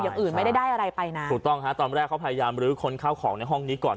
อย่างอื่นไม่ได้ได้อะไรไปนะถูกต้องฮะตอนแรกเขาพยายามลื้อค้นข้าวของในห้องนี้ก่อน